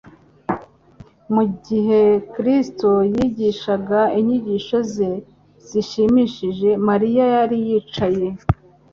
Mu gihe Kristo yigishaga inyigisho ze zishimishije, Mariya yari yicaye